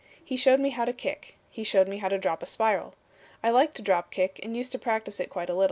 He showed me how to kick. He showed me how to drop a spiral. I liked to drop kick and used to practice it quite a little."